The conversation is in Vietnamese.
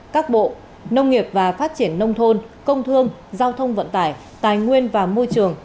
các bộ nông nghiệp và phát triển nông thôn công thương giao thông vận tải tài nguyên và môi trường